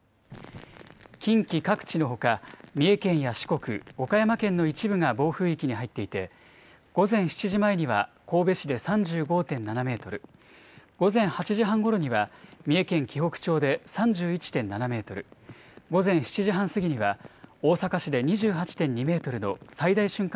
近畿各地のほか、三重県や四国、岡山県の一部が暴風域に入っていて、午前７時前には神戸市で３５．７メートル、午前８時半ごろには三重県紀北町で３１．７メートル、午前７時半過ぎには大阪市で２８．２メートルの最大瞬間